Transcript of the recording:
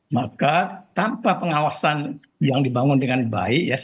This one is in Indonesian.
maka tanpa pengawasan yang dibangun dengan baik